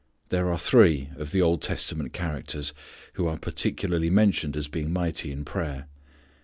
There are three of the Old Testament characters who are particularly mentioned as being mighty in prayer.